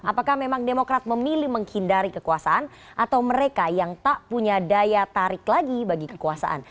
apakah memang demokrat memilih menghindari kekuasaan atau mereka yang tak punya daya tarik lagi bagi kekuasaan